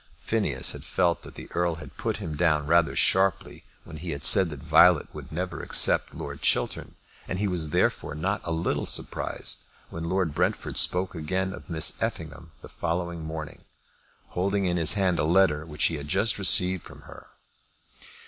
Phineas had felt that the Earl had put him down rather sharply when he had said that Violet would never accept Lord Chiltern, and he was therefore not a little surprised when Lord Brentford spoke again of Miss Effingham the following morning, holding in his hand a letter which he had just received from her.